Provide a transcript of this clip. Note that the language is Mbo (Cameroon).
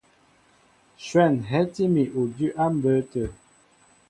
Shwɛ̂n hɛ́tí mi udʉ́ á mbə̌ tə.